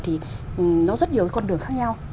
thì nó rất nhiều con đường khác nhau